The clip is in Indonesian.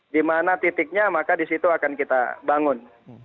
di mana titiknya maka di situ akan kita bangun